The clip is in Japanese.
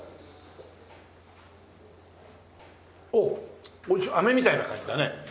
おおっあめみたいな感じだね。